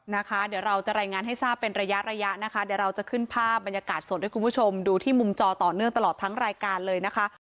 นะคะเดี๋ยวเราจะรายงานให้ทราบเป็นระยะระยะนะคะเดี๋ยวเราจะขึ้นภาพบรรยากาศสดให้คุณผู้ชมดูที่มุมจอต่อเนื่องตลอดทั้งรายการเลยนะคะ